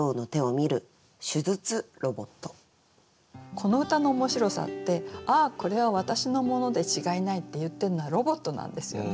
この歌の面白さって「ああこれは私の物で違いない」って言ってるのはロボットなんですよね。